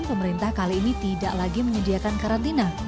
pemerintah kali ini tidak lagi menyediakan karantina